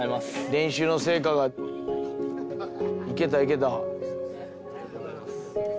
練習の成果がいけたいけた。